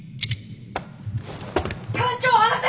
「艦長を離せ！」。